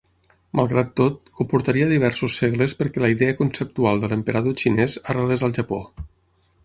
Malgrat tot, comportaria diversos segles perquè la idea conceptual de l’emperador xinès arrelés al Japó.